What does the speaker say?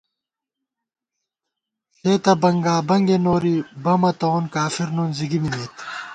ݪېتہ بنگابنگے نوری ، بمَہ تَوون ، کافر نُن زِگی مِمېت